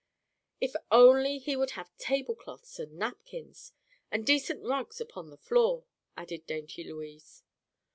"If only he would have tablecloths and napkins, and decent rugs upon the floor," added dainty Louise.